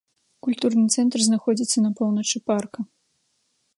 Культурны цэнтр знаходзіцца на поўначы парка.